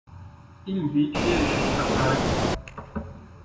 Il vit et exerce à Paris.